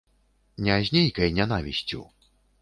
Не з нейкай нянавісцю.